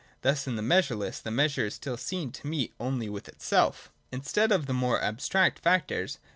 Thus in the measureless the measure is still seen to meet only with itself. 111.] Instead of the more abstract factors.